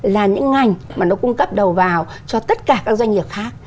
là những ngành mà nó cung cấp đầu vào cho tất cả các doanh nghiệp khác